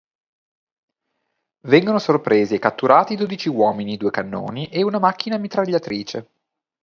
Vengono sorpresi e catturati dodici uomini, due cannoni e una macchina mitragliatrice.